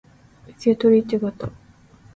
受取手形